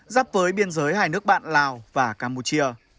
giáp với biên giới hai nước bạn lào và campuchia